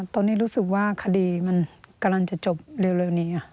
ตอนนี้รู้สึกว่าคดีมันกำลังจะจบเร็วนี้